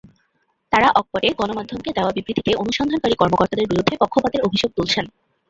তঁারা অকপটে গণমাধ্যমকে দেওয়া বিবৃতিতে অনুসন্ধানকারী কর্মকর্তাদের বিরুদ্ধে পক্ষপাতের অভিযোগ তুলছেন।